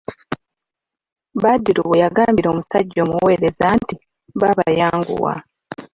Badru we yagambira omusajja omuweereza nti:"baaba yanguwa"